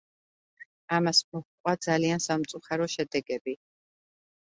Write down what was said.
ამას მოჰყვა ძალიან სამწუხარო შედეგები.